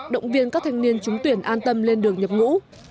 động viên các thanh niên trúng tuyển an tâm lên đường nhập ngũ